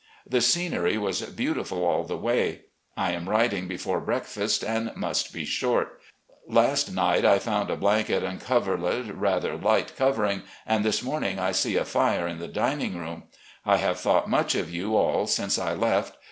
The scenery was beautiful all the way. I am writing before breakfast, and must be short. Last night I found a blanket and coverlid rather light covering, and this morning I see a fire in the dining room. I have thought much of you all since I left.